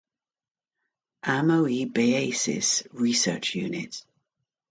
Amoebiasis Research Unit.